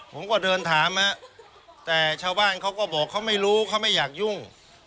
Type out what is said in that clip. ผมก็เดินถามแต่ชาวบ้านเขาก็บอกเขาไม่รู้เขาไม่อยากยุ่ง